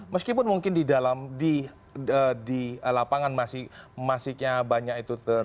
meskipun mungkin di dalam di lapangan masih banyak itu